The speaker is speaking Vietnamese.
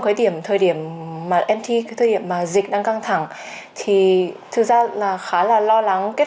cái điểm thời điểm mà em thi thời điểm là dịch đang căng thẳng thì thư giãn là khá là lo lắng kết